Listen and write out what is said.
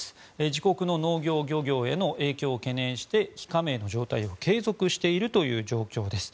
自国の農業、漁業への影響を懸念して非加盟の状態を継続しているという状況です。